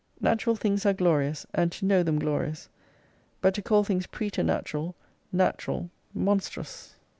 Natural things are glorious, and to know them glorious : but to call things preternatural, natural, monstrous.